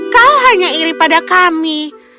kau hanya iri pada kami